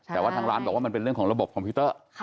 แต่ว่าทางร้านบอกว่ามันเป็นเรื่องของระบบคอมพิวเตอร์